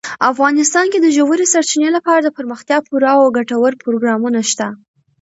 افغانستان کې د ژورې سرچینې لپاره دپرمختیا پوره او ګټور پروګرامونه شته.